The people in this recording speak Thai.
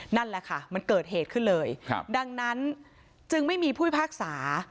นั่นแหละค่ะมันเกิดเหตุขึ้นเลยครับดังนั้นจึงไม่มีผู้พิพากษา